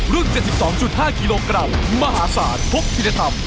รุ่น๗๒๕กิโลกรัมมหาศาสตร์ทบทิศธรรม